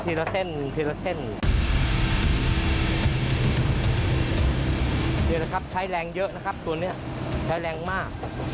ไสมัยนี่มันจะช้าไม่ได้เลยเพราะช้าเสียทั้งที